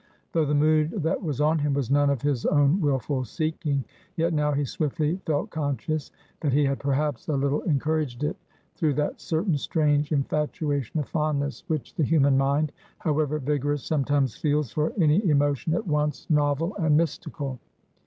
Though the mood that was on him was none of his own willful seeking; yet now he swiftly felt conscious that he had perhaps a little encouraged it, through that certain strange infatuation of fondness, which the human mind, however vigorous, sometimes feels for any emotion at once novel and mystical.